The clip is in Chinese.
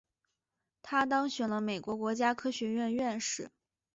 他当选了美国国家科学院院士。